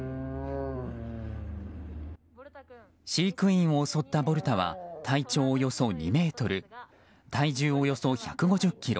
飼育員を襲ったボルタは体長およそ２ｍ体重およそ１５０ｋｇ。